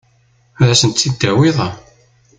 Ad asent-ten-id-tawiḍ?